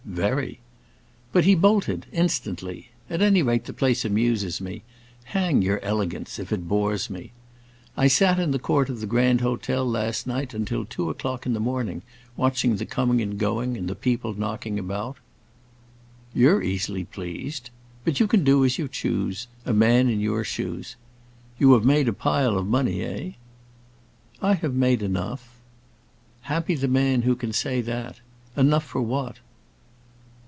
"Very!" "But he bolted, instantly. At any rate, the place amuses me. Hang your elegance, if it bores me. I sat in the court of the Grand Hotel last night until two o'clock in the morning, watching the coming and going, and the people knocking about." "You're easily pleased. But you can do as you choose—a man in your shoes. You have made a pile of money, eh?" "I have made enough." "Happy the man who can say that? Enough for what?"